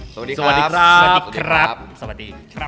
สวัสดีครับสวัสดีครับ